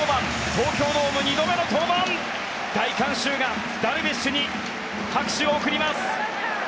東京ドーム２度目の登板大観衆がダルビッシュに拍手を送ります。